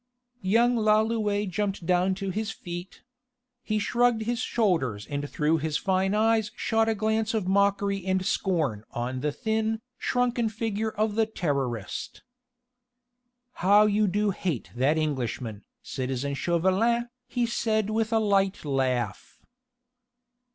Young Lalouët jumped down to his feet. He shrugged his shoulders and through his fine eyes shot a glance of mockery and scorn on the thin, shrunken figure of the Terrorist. "How you do hate that Englishman, citizen Chauvelin," he said with a light laugh.